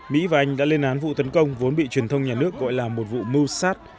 mỹ và anh đã lên án vụ tấn công vốn bị truyền thông nhà nước gọi là một vụ mưu sát